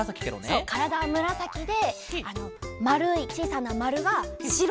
そうからだはむらさきでまるいちいさなまるがしろ。